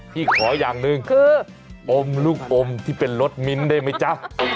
ขออย่างหนึ่งคืออมลูกอมที่เป็นรสมิ้นได้ไหมจ๊ะ